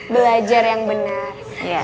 belajar yang benar